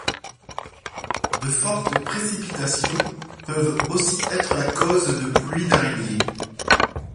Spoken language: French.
De fortes précipitations peuvent aussi être la cause de pluies d'araignées.